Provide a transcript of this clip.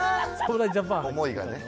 思いがね。